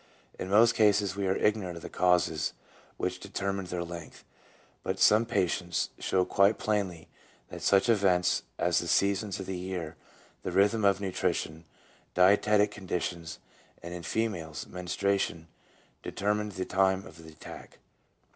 In most cases we are ignorant of the causes which determine their length, but some patients show quite plainly that such events as the seasons of the year, the rhythm of nutrition, dietetic conditions, and in females menstruation determine the time of the attack.